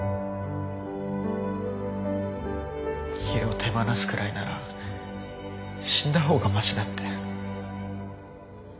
家を手放すくらいなら死んだ方がましだって。